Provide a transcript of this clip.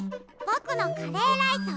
ぼくのカレーライス